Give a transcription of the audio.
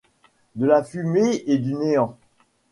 De la fumée et du néant. -